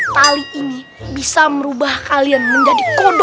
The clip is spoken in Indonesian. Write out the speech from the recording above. tali ini bisa merubah kalian menjadi kodok